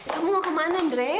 kamu mau kemana dre